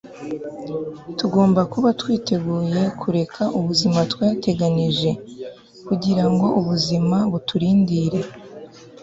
tugomba kuba twiteguye kureka ubuzima twateganije, kugira ngo ubuzima buturindire